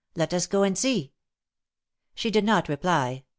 Let us go and see." She did not reply.